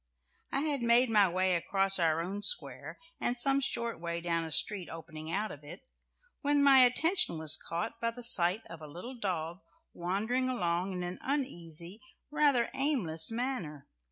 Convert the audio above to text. I had made my way across our own square and some short way down a street opening out of it when my attention was caught by the sight of a little dog wandering along in an uneasy, rather aimless manner.